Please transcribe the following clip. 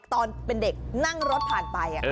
ตอนเป็นเด็กนั่งรถผ่านไป